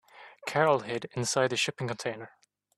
Carol hid inside the shipping container.